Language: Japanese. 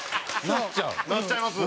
なっちゃいます？